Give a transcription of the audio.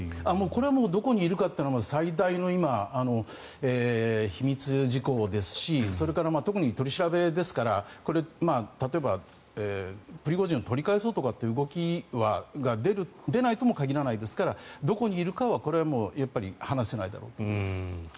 これはどこにいるかは最大の今、秘密事項ですしそれから特に取り調べですから例えば、プリゴジンを取り返そうという動きが出ないとも限らないですからどこにいるかは、これは話せないだろうと思います。